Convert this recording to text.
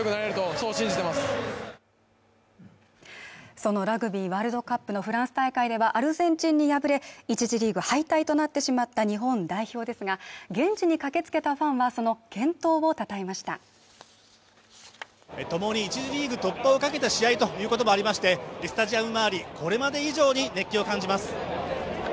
そのラグビーワールドカップのフランス大会ではアルゼンチンに敗れ１次リーグ敗退となってしまった日本代表ですが現地に駆けつけたファンはその健闘をたたえましたともに１次リーグ突破をかけた試合ということもありましてスタジアム前、これまで以上に熱気を感じます